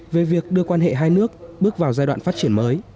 về việc đưa quan hệ hai nước bước vào giai đoạn phát triển mới